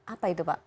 apa itu pak